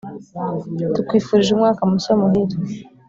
Tukwifurije umwaka mushya muhire